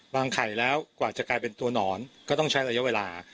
ไข่แล้วกว่าจะกลายเป็นตัวหนอนก็ต้องใช้ระยะเวลา